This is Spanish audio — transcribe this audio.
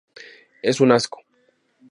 Es un asco.